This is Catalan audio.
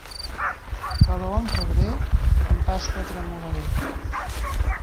Calor en febrer? En Pasqua tremolaré.